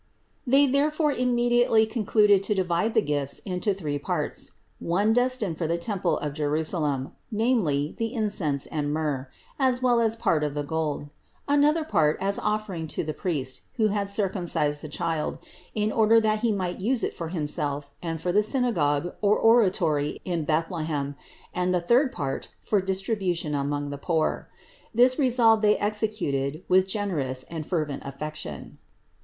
They therefore immediately concluded to divide the gifts into three parts : one destined for the temple of Jerusalem, namely the incense and myrrh, as well as part of the gold ; another part as offering to the priest, who had cir 485 486 CITY OF GOD cumcised the Child, in order that he might use it for him self and for the synagogue or oratory in Bethlehem, and the third part for distribution among the poor. This resolve they executed with generous and fervent affection.